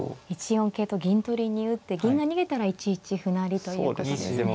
１四桂と銀取りに打って銀が逃げたら１一歩成ということですね。